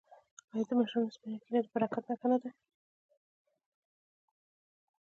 آیا د مشرانو سپینه ږیره د برکت نښه نه ده؟